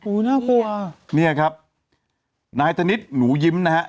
อู้น่ากลัวนี่ครับนายธนิดหนูยิ้มนะฮะ